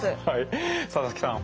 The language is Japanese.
佐々木さん